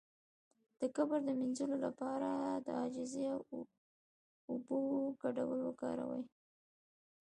د کبر د مینځلو لپاره د عاجزۍ او اوبو ګډول وکاروئ